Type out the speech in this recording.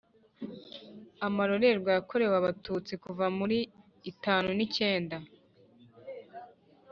amarorerwe yakorewe abatutsi kuva muri itanu n’icyenda